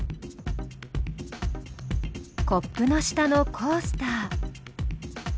コップの下のコースター。